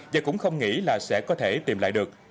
và cũng không nghĩ là sẽ có thể tìm lại được